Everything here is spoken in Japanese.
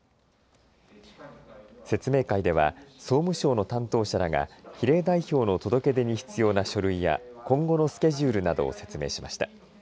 説明会では総務省の担当者らが比例代表の届け出に必要な書類や今後のスケジュールなどを説明しました。